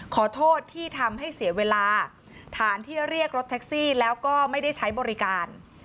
ขอโทษที่ทำให้เสียเวลาฐานที่เรียกรถแท็กซี่แล้วก็ไม่ได้ใช้บริการ